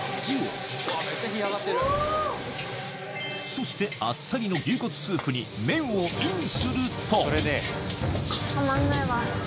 そしてあっさりの牛骨スープに麺をインするとたまんないわ。